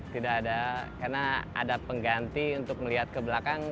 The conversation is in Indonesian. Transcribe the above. tidak ada karena ada pengganti untuk melihat ke belakang